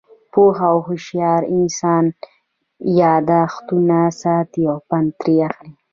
پوه او هوشیار انسان، یاداښتونه ساتي او پند ترې اخلي.